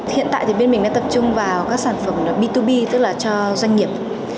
hiện tại thì bên mình đang tập trung vào các sản phẩm b hai b tức là cho doanh nghiệp